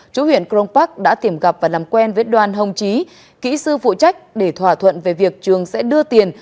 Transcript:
chủ huyện cron park đã tìm gặp và làm quen với đoàn hồng trí kỹ sư phụ trách để thỏa thuận về việc trường sẽ đưa tiền